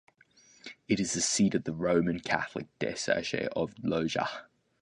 It is the seat of the Roman Catholic Diocese of Loja.